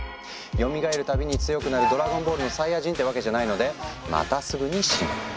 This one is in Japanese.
よみがえるたびに強くなる「ドラゴンボール」のサイヤ人ってわけじゃないのでまたすぐに「死ぬ」。